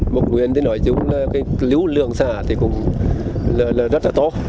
bộc nguyên thì nói chung là cái lưu lượng xả thì cũng là rất là to